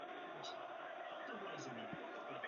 Oddíl patří pod hlavičku Tělovýchovné jednoty Jiskra Kyjov.